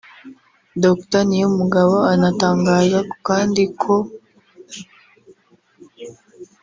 Dr Niyomugabo anatangaza kandi ko